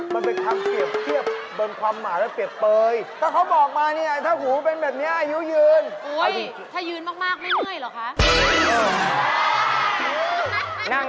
หรือเปลี่ยนหรือเปลี่ยนหรือเปลี่ยนหรือเปลี่ยนหรือเปลี่ยนหรือเปลี่ยน